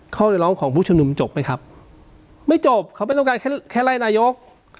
ข้อเรียกร้องของผู้ชมนุมจบไหมครับไม่จบเขาไม่ต้องการแค่แค่ไล่นายก